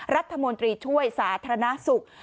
รัฐมนตรีช่วยสาธารณสุข